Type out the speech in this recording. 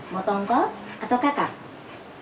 mau tolong call atau kakak